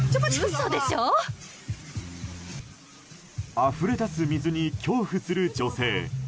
あふれ出す水に恐怖する女性。